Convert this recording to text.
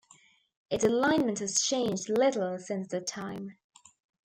Its alignment has changed little since that time.